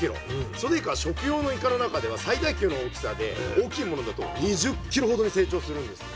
ソデイカは食用のイカの中では最大級の大きさで大きいものだと２０キロほどに成長するんですね。